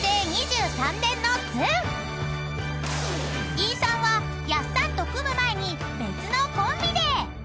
［飯さんはやっさんと組む前に別のコンビで］